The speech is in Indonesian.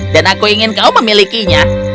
dan aku ingin kau memilikinya